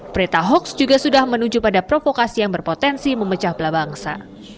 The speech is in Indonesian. berita hoax juga sudah menuju pada provokasi yang berpotensi memecah belah bangsa